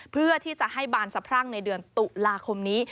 เพื่อที่จะให้บานสะพรั่งในเดือนตุลาคมนี้